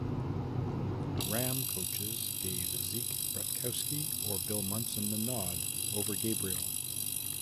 Ram coaches gave Zeke Bratkowski or Bill Munson the nod over Gabriel.